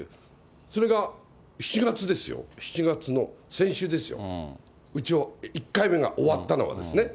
それが、７月ですよ、７月の、先週ですよ、１回目が終わったのがですね。